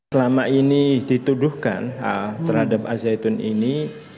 selama ini dituduhkan terhadap azzaytun ini